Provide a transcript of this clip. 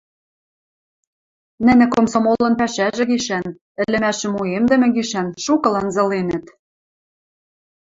Нӹнӹ комсомолын пӓшӓжӹ гишӓн, ӹлӹмӓшӹм уэмдӹмӹ гишӓн шукы ланзыленӹт.